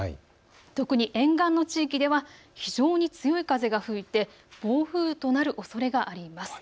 特に沿岸の地域では非常に強い風が吹いて暴風となるおそれがあります。